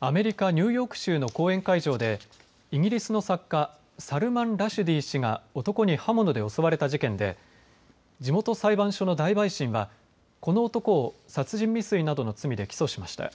アメリカ・ニューヨーク州の講演会場でイギリスの作家、サルマン・ラシュディ氏が男に刃物で襲われた事件で地元裁判所の大陪審はこの男を殺人未遂などの罪で起訴しました。